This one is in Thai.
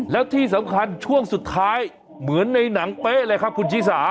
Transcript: แล้วที่สำคัญช่วงสุดท้ายเหมือนในหนังเป๊ะเลยครับคุณชิสา